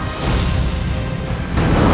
aku akan menang